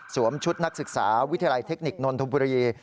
ชุดนักศึกษาวิทยาลัยเทคนิคนนทบุรี